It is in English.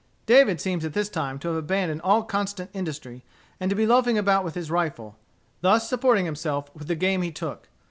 David seems at this time to have abandoned all constant industry, and to be loafing about with his rifle, thus supporting himself with the game he took.